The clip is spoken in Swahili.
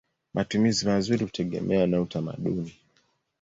Matumizi mazuri hutegemea na utamaduni.